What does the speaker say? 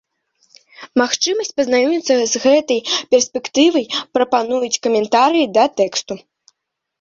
Магчымасць пазнаёміцца з гэтай перспектывай прапануюць каментарыі да тэксту.